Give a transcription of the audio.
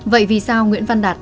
vậy vì sao nguyễn văn đạt